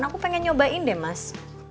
aku pengen nyobain deh mas